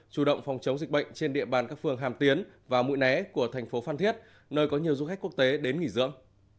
chủ động phòng chống dịch bệnh trên địa bàn các phường hàm tiến và mũi né của thành phố phan thiết nơi có nhiều du khách quốc tế đến nghỉ dưỡng